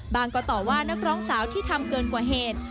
ก็ต่อว่านักร้องสาวที่ทำเกินกว่าเหตุ